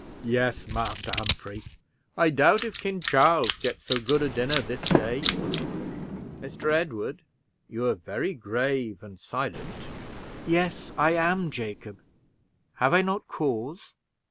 "Yes, Master Humphrey. I doubt if King Charles eats so good a dinner this day. Mr. Edward, you are very grave and silent." "Yes, I am, Jacob. Have I not cause?